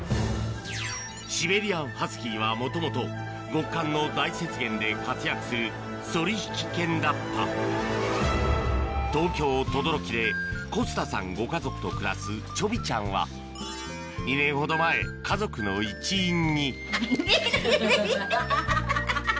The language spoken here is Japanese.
シベリアン・ハスキーはもともと極寒の大雪原で活躍するソリ引き犬だった東京・等々力で小須田さんご家族と暮らすちょびちゃんは２年ほど前家族の一員に・痛い痛いハハハ！